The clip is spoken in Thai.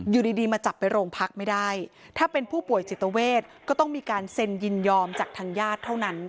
อยู่ดีมาจับไปโรงพักไม่ได้ถ้าเป็นผู้ป่วยจิตเวทก็ต้องมีการเซ็นยินยอมจากทางญาติเท่านั้น